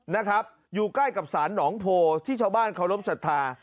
นะครับอยู่ใกล้กับศาลหนองโพที่ชาวบ้านเคารพสัทธา